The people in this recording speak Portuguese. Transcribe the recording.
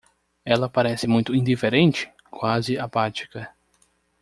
Ela parece muito indiferente? quase apática.